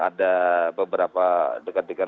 ada beberapa dekat dekat